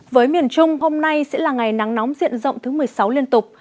với miền trung hôm nay sẽ là ngày nắng nóng diện rộng thứ một mươi sáu liên tục